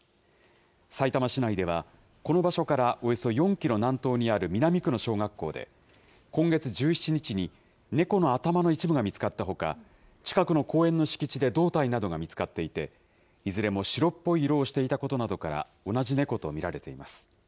さいたま市内では、この場所からおよそ４キロ南東にある南区の小学校で、今月１７日に猫の頭の一部が見つかったほか、近くの公園の敷地で胴体などが見つかっていて、いずれも白っぽい色をしていたことなどから、同じ猫と見られています。